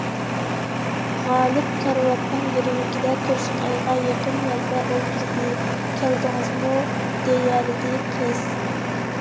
غالىپ كارىۋاتنىڭ گىرۋىكىدە تۇرسۇنئايغا يېقىن يەردە ئولتۇردى.— كەلدىڭىزمۇ؟— دېيەلىدى قىز.